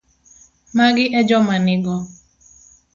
magi e joma nigo.